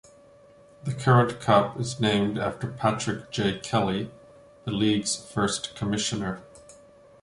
The current cup is named after Patrick J. Kelly, the league's first commissioner.